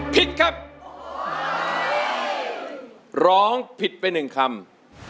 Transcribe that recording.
ผิดครับร้องผิดไป๑คำ